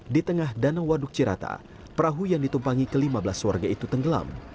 di tengah danau waduk cirata perahu yang ditumpangi kelimabelas warga itu tenggelam